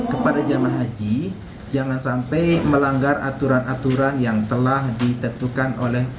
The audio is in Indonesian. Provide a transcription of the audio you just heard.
kepada jemaah haji jangan sampai melanggar aturan aturan yang telah ditentukan oleh